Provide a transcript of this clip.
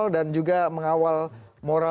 dan juga mengawal moral